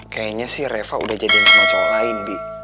kayaknya sih reva udah jadi sama cowok lain bi